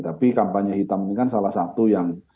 tapi kampanye hitam ini kan salah satu yang